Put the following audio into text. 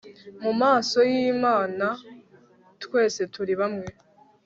mu maso y'imana twese turi bamwe